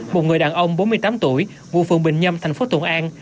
một người đàn ông bốn mươi tám tuổi ngụ phường bình nhâm thành phố thuận an